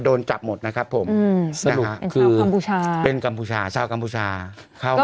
โดนจับหมดนะครับผมสรุปคือกัมพูชาเป็นกัมพูชาชาวกัมพูชาเข้า